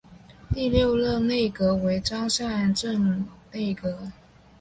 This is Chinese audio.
第六任内阁为张善政内阁。